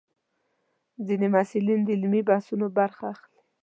ځینې محصلین د علمي بحثونو برخه اخلي.